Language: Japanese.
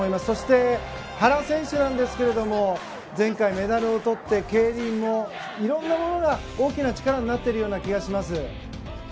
そして原選手なんですが前回、メダルをとって競輪もいろんなものが大きな力になっている気がします。